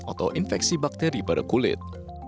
atau infeksi bakteri pada kulit